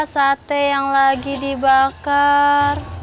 sate yang lagi dibakar